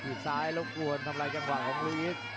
พยายามจะถีบซ้ายลงกวนทำลายจังหวะของลุยิส